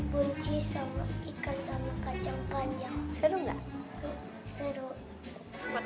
belanja apa bunci sama ikan sama kacang panjang